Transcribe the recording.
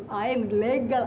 ayah ini legal